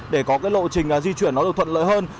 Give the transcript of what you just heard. để có lộ trình di chuyển được thuận lợi hơn